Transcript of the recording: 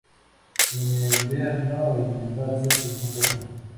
En el invierno, el embalse se congela.